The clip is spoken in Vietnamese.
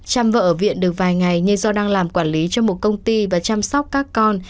chăm vợ ở viện được vài ngày nhưng do đang làm quản lý cho một công ty và chăm sóc các con